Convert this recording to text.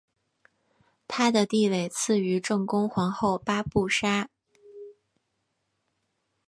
她的地位次于正宫皇后八不沙。